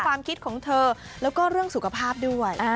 ความคิดของเธอแล้วก็เรื่องสุขภาพด้วย